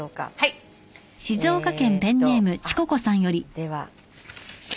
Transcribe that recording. では。